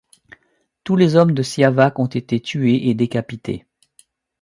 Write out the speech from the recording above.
Tous les hommes de Siavach ont été tués et décapités.